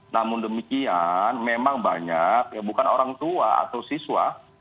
namun demikian memang banyak ya bukan orang tua atau siswa